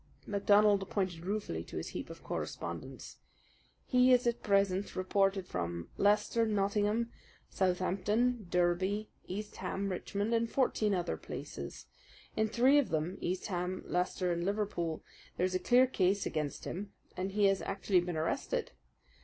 MacDonald pointed ruefully to his heap of correspondence. "He is at present reported from Leicester, Nottingham, Southampton, Derby, East Ham, Richmond, and fourteen other places. In three of them East Ham, Leicester, and Liverpool there is a clear case against him, and he has actually been arrested.